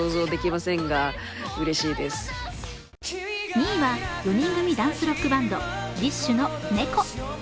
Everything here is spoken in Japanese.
２位は４人組ダンスロックバンド、ＤＩＳＨ／／の「猫」。